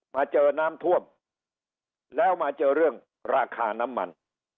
มาเจอน้ำท่วมแล้วมาเจอเรื่องราคาน้ำมัน